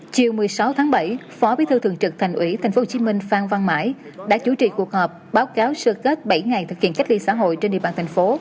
chiều một mươi sáu tháng bảy phó bí thư thường trực thành ủy tp hcm phan văn mãi đã chủ trì cuộc họp báo cáo sơ kết bảy ngày thực hiện cách ly xã hội trên địa bàn thành phố